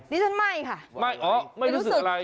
ดิฉันไม่ค่ะ